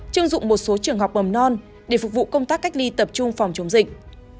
chưng dụng một số trường học mầm non để phục vụ công tác cách ly tập trung phòng chống dịch